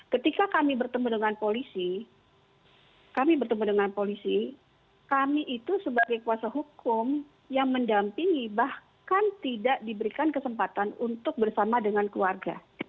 ketika kami bertemu dengan polisi kami bertemu dengan polisi kami itu sebagai kuasa hukum yang mendampingi bahkan tidak diberikan kesempatan untuk bersama dengan keluarga